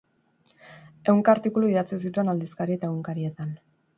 Ehunka artikulu idatzi zituen aldizkari eta egunkarietan.